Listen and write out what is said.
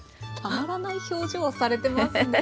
たまらない表情をされてますね。